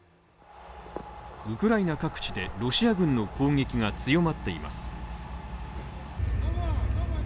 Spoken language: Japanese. ウクライナ各地でロシア軍の攻撃が強まっています。